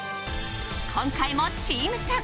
今回もチーム戦。